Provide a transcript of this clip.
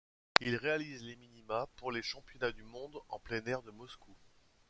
Il réalise les minima pour les Championnats du monde en plein air de Moscou.